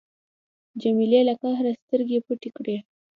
جمیلې له قهره سترګې پټې کړې.